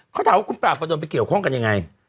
เขาถามว่าคุณปราบประดนไปเกี่ยวข้องกันยังไง